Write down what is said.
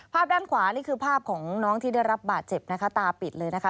ด้านขวานี่คือภาพของน้องที่ได้รับบาดเจ็บนะคะตาปิดเลยนะคะ